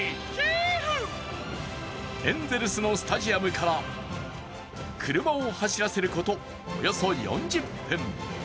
エンゼルスのスタジアムから車を走らせることおよそ４０分。